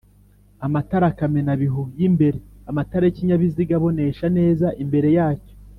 Amatara kamena-bihu y’imbereAmatara y’ikinyabiziga abonesha neza imbere yacyo